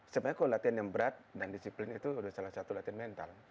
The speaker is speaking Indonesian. sebenarnya kalau latihan yang berat dan disiplin itu adalah salah satu latihan mental